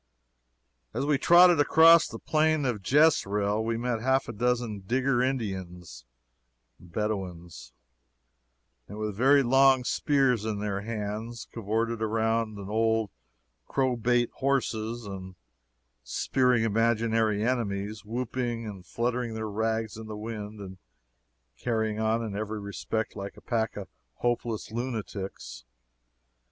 As we trotted across the Plain of Jezreel, we met half a dozen Digger Indians (Bedouins) with very long spears in their hands, cavorting around on old crowbait horses, and spearing imaginary enemies; whooping, and fluttering their rags in the wind, and carrying on in every respect like a pack of hopeless lunatics.